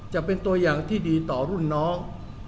จะเป็นตัวอย่างที่ดีต่อรุ่นน้อง